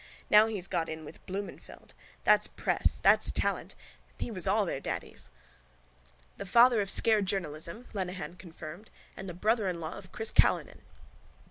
_ Now he's got in with Blumenfeld. That's press. That's talent. Pyatt! He was all their daddies! —The father of scare journalism, Lenehan confirmed, and the brother in law of Chris Callinan.